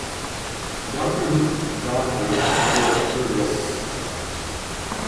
Doctor Luke Godfrey, who was his third wife.